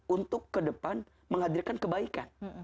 untuk ke depan menghadirkan kebaikan